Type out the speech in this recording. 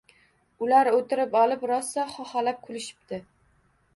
Ular o’tirib olib, rosa xoholab kulishibdi